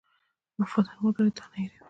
• وفادار ملګری تا نه هېروي.